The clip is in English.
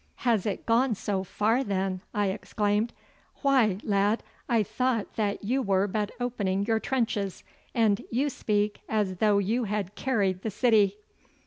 'Has it gone so far then!' I exclaimed. 'Why, lad, I thought that you were but opening your trenches, and you speak as though you had carried the city.